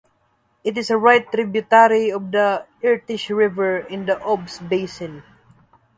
It is a right tributary of the Irtysh River in the Ob's basin.